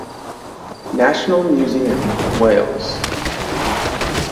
National Museum Wales.